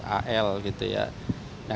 al gitu ya